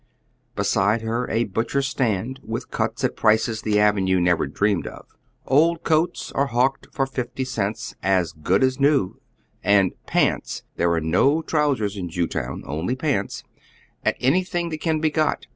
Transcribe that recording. Beside her a butcher's stand with cuts at prices tlie avenues never dreamed of. Old coats are hawked for fifty cents, "as good as new," and "pants" — there are no trousers in Jewtown, only pants — at anything that can be got.